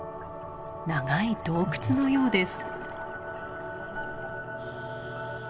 長い洞窟のようです。